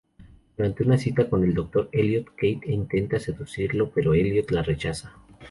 Durante una cita con el Dr. Elliot, Kate intenta seducirlo, pero Elliot la rechaza.